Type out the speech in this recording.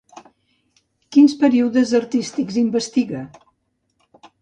Quins períodes artístics investiga?